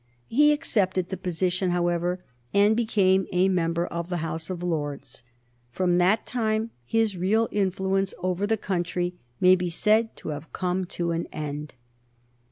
He accepted the position, however, and became a member of the House of Lords. From that time his real influence over the country may be said to have come to an end.